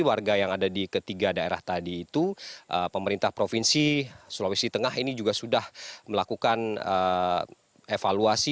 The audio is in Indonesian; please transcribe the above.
warga yang ada di ketiga daerah tadi itu pemerintah provinsi sulawesi tengah ini juga sudah melakukan evaluasi